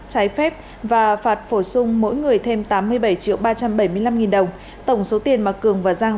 trái phép và phạt phổ sung mỗi người thêm tám mươi bảy triệu ba trăm bảy mươi năm nghìn đồng tổng số tiền mà cường và giang